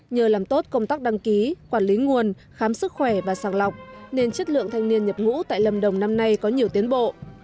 nhờ làm tốt công tác đăng ký quản lý nguồn khám sức khỏe và sàng lọc nên chất lượng thanh niên nhập ngũ tại lâm đồng năm nay có nhiều tiến bộ